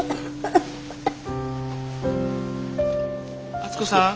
敦子さん？